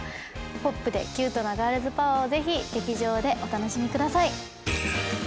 ポップでキュートなガールズパワーをぜひ劇場でお楽しみください。